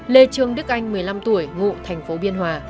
lê trương đức anh một mươi năm tuổi ngụ thành phố biên hòa